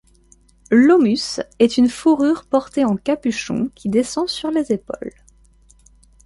L'aumusse est une fourrure portée en capuchon qui descend sur les épaules.